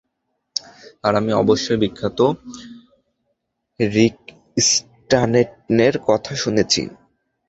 আর আমি অবশ্যই বিখ্যাত রিক স্ট্যান্টনের কথা শুনেছি।